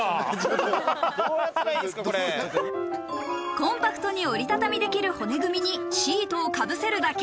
コンパクトに折り畳みできる骨組みに、シートをかぶせるだけ。